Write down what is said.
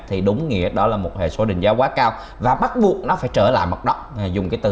thì đúng nghĩa đó là một hệ số định giá quá cao và bắt buộc nó phải trở lại mặt đất dùng cái từ